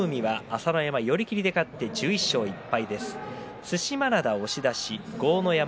朝乃山、寄り切りで勝って１１勝１敗。